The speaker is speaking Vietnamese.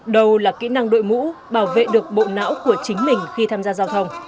đầu là kỹ năng đội mũ bảo vệ được bộ não của chính mình khi tham gia giao thông